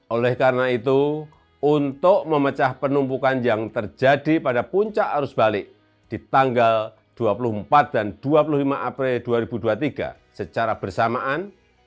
oleh karena itu untuk memecah penumpukan yang terjadi pada puncak arus balik di tanggal dua puluh empat dan dua puluh lima april dua ribu dua puluh tiga secara bersamaan